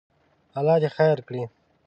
الله دې خیر کړي.